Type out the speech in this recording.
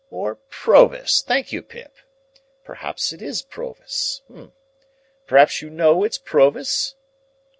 "Or Provis—thank you, Pip. Perhaps it is Provis? Perhaps you know it's Provis?"